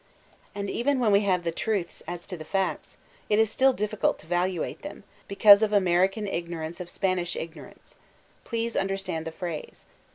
And even when we have the truths as to the facts, it is still difficult to valuate them, because of American ignorance of Spanish ignorance. Please understand the phrase.